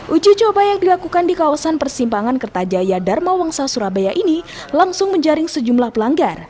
uji coba yang dilakukan di kawasan persimpangan kertajaya dharma wangsa surabaya ini langsung menjaring sejumlah pelanggar